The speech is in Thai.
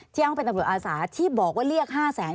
ที่อ้างว่าเป็นตำรวจอาสาที่บอกว่าเรียก๕๐๐๐๐๐บาท